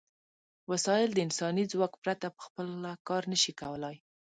وسایل د انساني ځواک پرته په خپله کار نشي کولای.